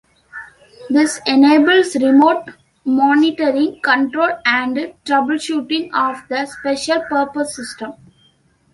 This enables remote monitoring, control, and troubleshooting of the special-purpose system.